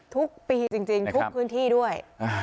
ทุกปีจริงทุกพื้นที่ด้วย